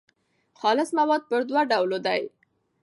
خالص مواد پر دوو ډولو دي.